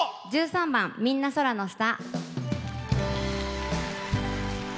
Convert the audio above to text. １３番「みんな空の下」。